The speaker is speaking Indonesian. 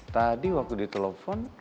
tadi waktu ditelepon